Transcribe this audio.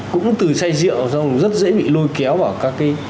cũng từ say rượu xong rất dễ bị lôi kéo vào các cái